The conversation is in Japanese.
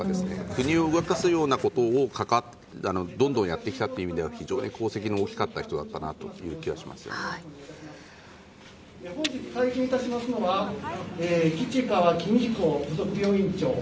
国を動かすようなことをどんどんやってきたという意味で非常に功績の大きかった人という本日、会見しますのは吉川公彦病院院長。